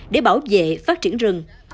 để bảo vệ phát triển rừng